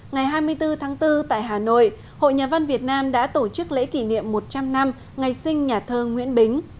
ngày hai mươi bốn tháng bốn tại hà nội hội nhà văn việt nam đã tổ chức lễ kỷ niệm một trăm linh năm ngày sinh nhà thơ nguyễn bính